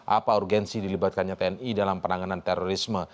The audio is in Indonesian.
apa urgensi dilibatkannya tni dalam penanganan terorisme